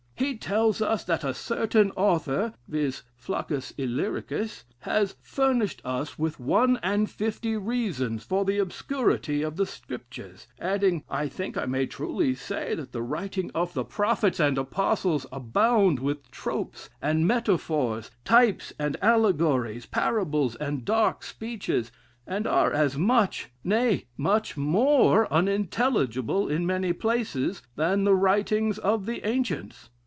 He tells us, 'that a certain author (viz., Flaccus Illyricus) has furnished us with one and fifty reasons for the obscurity of the Scriptures;' adding, 'I think I may truly say that the writing of the prophets and apostles abound with tropes, and metaphors, types, and allegories, parables, and dark speeches; and are as much, nay, much more unintelligible in many places, than the writings of the ancients.'